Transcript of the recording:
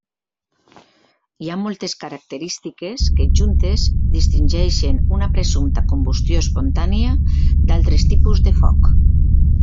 Hi ha moltes característiques que juntes distingeixen una presumpta combustió espontània d'altres tipus de foc.